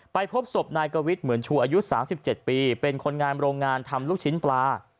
พบศพนายกวิทย์เหมือนชูอายุ๓๗ปีเป็นคนงานโรงงานทำลูกชิ้นปลา